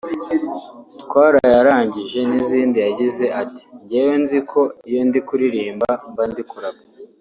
Twarayarangije n’izindi yagize ati`` Njyewe nzi ko iyo ndi kuririmba mba ndi kurapa